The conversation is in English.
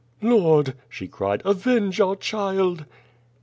"Lord," she cried, "avenge our child!"